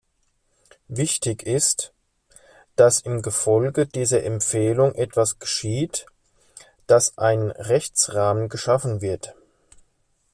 Wichtig ist, dass im Gefolge dieser Empfehlung etwas geschieht, dass ein Rechtsrahmen geschaffen wird.